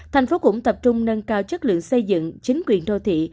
thành phố cũng tập trung nâng cao chất lượng xây dựng chính quyền đô thị